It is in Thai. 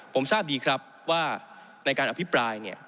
ผมทราบดีครับว่าในการอภิปราย